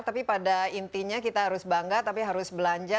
tapi pada intinya kita harus bangga tapi harus belanja